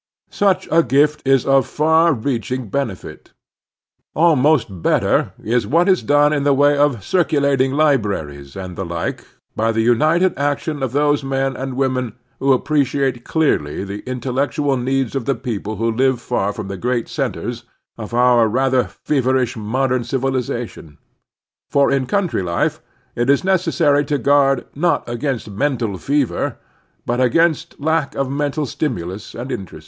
Such a gift is of far reaching bene fit. Almost better is what is done in the way of circulating libraries and the like by the united action of those men and women who appreciate clearly the intellectual needs of the people who live far from the great centers of our rather fever ish modem civilization; for in cotmtry life it is necessary to guard not against mental fever, but against lack of mental stimultis and interests.